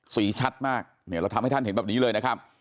ชัดมากเนี่ยเราทำให้ท่านเห็นแบบนี้เลยนะครับ